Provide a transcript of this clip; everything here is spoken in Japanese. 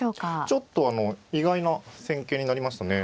ちょっとあの意外な戦型になりましたね。